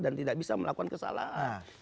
dan tidak bisa melakukan kesalahan